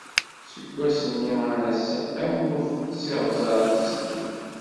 Seg wass-nni ar ass-a tamurt s iɣzer i tetteddu.